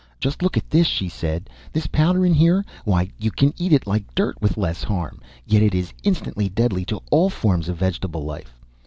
"Just look at this," she said. "This powder in here why you can eat it like dirt, with less harm. Yet it is instantly deadly to all forms of vegetable life